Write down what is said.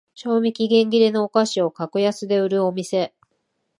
賞味期限切れのお菓子を格安で売るお店